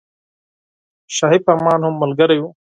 شاهي فرمان هم ملګری وو.